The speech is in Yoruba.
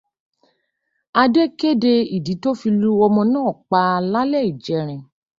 Adé kéde ìdí tó fí lu ọmọ náà pa lálé ìjẹrin.